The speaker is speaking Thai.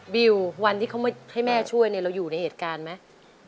วิววันที่เขามาให้แม่ช่วยเนี่ยเราอยู่ในเหตุการณ์ไหม